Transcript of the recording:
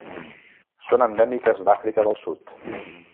Són endèmiques d'Àfrica del Sud.